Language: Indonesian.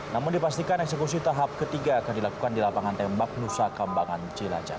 namun dipastikan eksekusi tahap tiga akan dilakukan di lapangan tembak nusakambangan cilacap